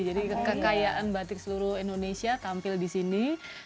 jadi kekayaan batik seluruh indonesia tampil di sini